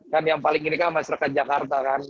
kan yang paling ini kan masyarakat jakarta kan